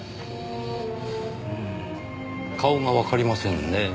顔がわかりませんねぇ。